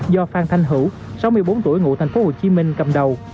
do phan thanh hữu sáu mươi bốn tuổi ngụ thành phố hồ chí minh cầm đầu